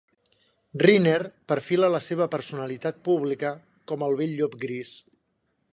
Rhyner perfila la seva personalitat pública com "El vell llop gris".